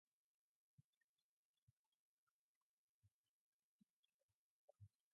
It's self-love in the best sense.